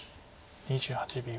２８秒。